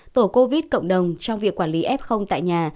tổ covid cộng đồng trong việc quản lý f tại nhà